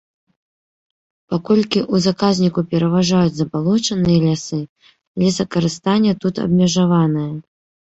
Паколькі ў заказніку пераважаюць забалочаныя лясы, лесакарыстанне тут абмежаванае.